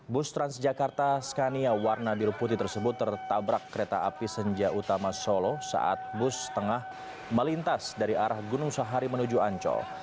bus transjakarta scania warna biru putih tersebut tertabrak kereta api senja utama solo saat bus tengah melintas dari arah gunung sahari menuju ancol